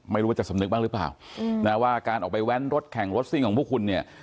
ไม่รู้ว่าจะสำนึกบ้างหรือเปล่านะว่าการออกไปแว้นรถแข่งรถซิ่งของพวกคุณเนี่ย